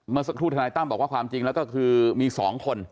เมื่อสักครู่ธนายตั้มบอกว่าความจริงแล้วก็คือมี๒คน